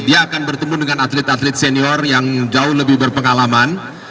dia akan bertemu dengan atlet atlet senior yang jauh lebih berpengalaman